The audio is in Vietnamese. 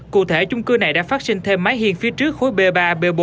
cụ thể chung cư này đã phát sinh thêm máy hên phía trước khối b ba b bốn